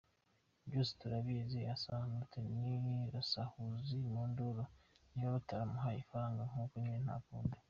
Byose turabizi Issa Hayatou ni rusahurira munduru niba baramuhaye ifaranga nuko nyine nta kundi.